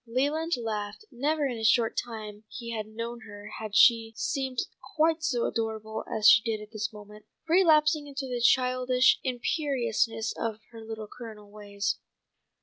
Leland laughed. Never in the short time he had known her had she seemed quite so adorable as she did at this moment, relapsing into the childish imperiousness of her Little Colonel ways.